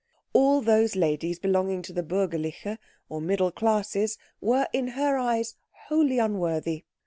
All those ladies belonging to the bürgerliche or middle classes were in her eyes wholly unworthy.